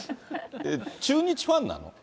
中日ファンなの？